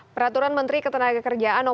peraturan menteri ketenagakerjaan ida fauzia